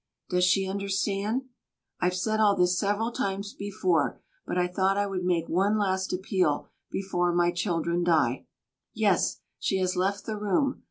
Does she understand? I've said all this several times before, but I thought I would make one last appeal before my children die. Yes; she has left the room!